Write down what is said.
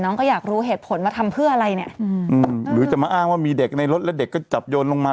ก็อยากรู้เหตุผลว่าทำเพื่ออะไรเนี่ยอืมหรือจะมาอ้างว่ามีเด็กในรถแล้วเด็กก็จับโยนลงมา